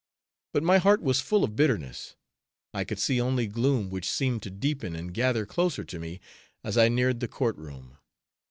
But my heart was full of bitterness; I could see only gloom which seemed to deepen and gather closer to me as I neared the courtroom.